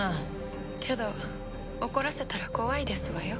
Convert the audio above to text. けど怒らせたら怖いですわよ。